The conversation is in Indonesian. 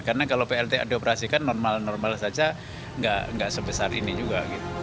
karena kalau plta dioperasikan normal normal saja tidak sebesar ini juga